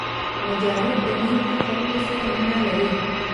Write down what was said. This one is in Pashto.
مجاهد د نیکو خلکو سره مینه لري.